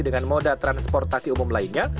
dengan moda transportasi umum lainnya